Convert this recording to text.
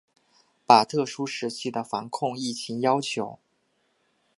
把特殊时期的防控疫情要求